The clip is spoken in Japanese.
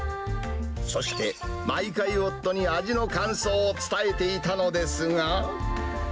そして、毎回夫に味の感想を伝えていたのですが。